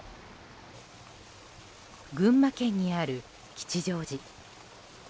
群馬県にある吉祥寺。